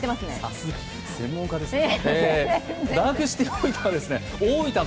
さすが専門家ですね。